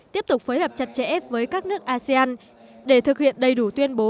tiếp tục phối hợp chặt chẽ với các nước asean để thực hiện đầy đủ tuyên bố